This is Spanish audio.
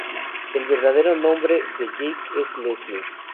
El verdadero nombre de Jake es Leslie.